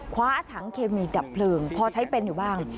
คว้าถังเคมีดับเพลิงพอใช้เป็นอยู่บ้าง